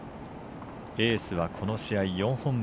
エースはこの試合４本目。